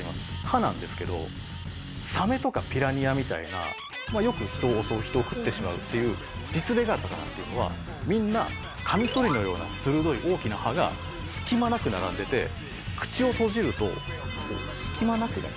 歯なんですけどサメとかピラニアみたいなよく人を襲う人を食ってしまうっていう実例がある魚っていうのはみんなカミソリのような鋭い大きな歯が隙間なく並んでいて口を閉じるとこう隙間なくね